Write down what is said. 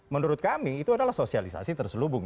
menurut kami itu adalah sosialisasi terselubung